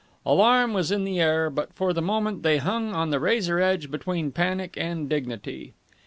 Alarm was in the air, but for the moment they hung on the razor edge between panic and dignity.